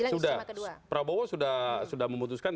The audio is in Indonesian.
sudah prabowo sudah memutuskan